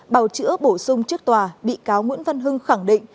bào chữa bổ sung trước tòa bị cáo nguyễn văn hưng khẳng định